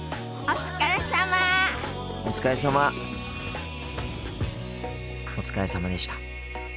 お疲れさまでした。